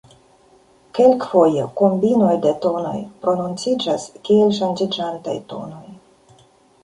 Kelkfoje kombinoj de tonoj prononciĝas kiel ŝanĝiĝantaj tonoj.